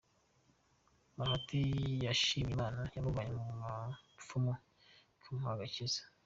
Bahati yashimye Imana yamuvanye mu bapfumu ikamuha agakiza.